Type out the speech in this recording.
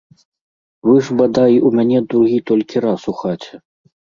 Вы ж, бадай, у мяне другі толькі раз у хаце.